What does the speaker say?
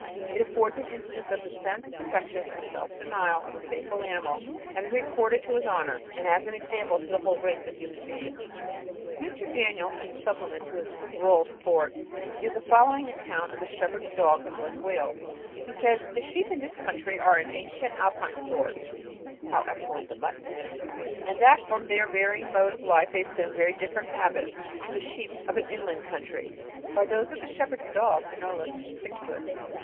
It affords an instance of the sense, affection, and self denial of a faithful animal, and is recorded to his honour, and as an example to the whole race of human beings. Mr. Daniel, in the Supplement to his "Rural Sports," gives the following account of the shepherds' dogs in North Wales. He says, "The sheep in this country are the ancient Alpine sort, (how excellent the mutton is!) and that from their varying mode of life they assume very different habits to the sheep of an inland country, while those of the shepherds' dogs are no less conspicuous.